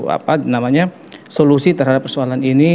apa namanya solusi terhadap persoalan ini